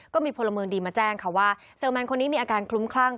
ก็มีพลเมืองดีมาแจ้งค่ะว่าเซลแมนคนนี้มีอาการคลุ้มคลั่ง